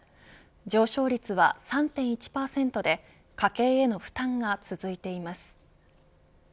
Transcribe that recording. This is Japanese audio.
上昇率は３．１％で家計への負担が続いています。